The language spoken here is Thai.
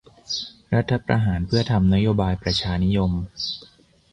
รัฐประหารเพื่อทำนโยบายประชานิยม